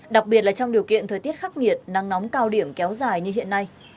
đặc biệt là trong điều kiện thời tiết khắc nghiệt nắng nóng cao điểm kéo dài như hiện nay